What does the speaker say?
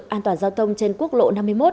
an toàn giao thông trên quốc lộ năm mươi một